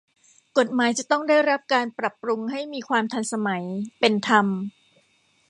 กฎหมายจะต้องได้รับการปรับปรุงให้มีความทันสมัย เป็นธรรม